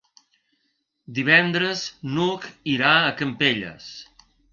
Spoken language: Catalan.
Divendres n'Hug irà a Campelles.